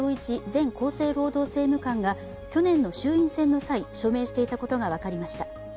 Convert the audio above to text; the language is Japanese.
前厚生労働政務官が去年の衆院選の際、署名していたことが分かりました。